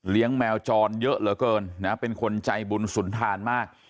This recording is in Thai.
แมวจรเยอะเหลือเกินนะเป็นคนใจบุญสุนทานมาก